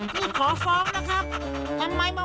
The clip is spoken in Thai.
ที่ขอแนวทิปเป้า